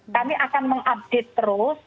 kami akan mengupdate terus